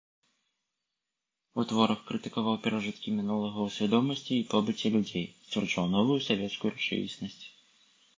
У творах крытыкаваў перажыткі мінулага ў свядомасці і побыце людзей, сцвярджаў новую савецкую рэчаіснасць.